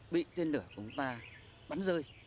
bị tiên nửa của chúng ta bắn rơi